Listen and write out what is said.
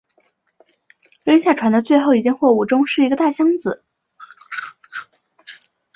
扔下船的最后一件货物中是一个大箱子。